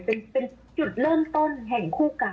เป็นจุดเริ่มต้นแห่งคู่กัน